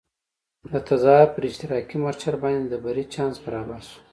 د تزار پر اشتراکي مورچل باندې د بري چانس برابر شو.